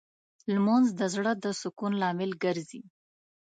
لمونځ د زړه د سکون لامل ګرځي